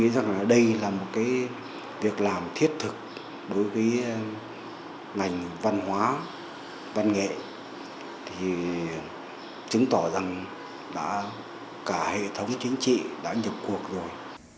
đây là một việc làm thiết thực đối với ngành văn hóa văn nghệ chứng tỏ rằng cả hệ thống chính trị đã nhập cuộc rồi